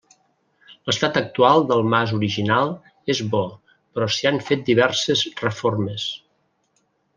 L’estat actual del mas original, és bo, però s’hi han fet diverses reformes.